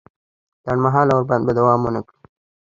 لنډ مهاله اوربند به دوام ونه کړي